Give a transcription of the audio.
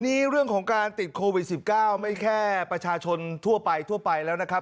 เรื่องของการติดโควิด๑๙ไม่แค่ประชาชนทั่วไปทั่วไปแล้วนะครับ